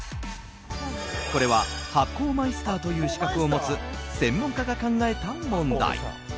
これは発酵マイスターという資格を持つ専門家が考えた問題。